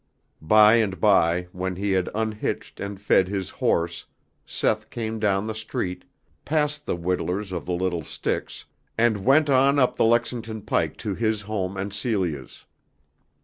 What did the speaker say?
By and by, when he had unhitched and fed his horse Seth came down the street, passed the whittlers of the little sticks and went on up the Lexington Pike to his home and Celia's.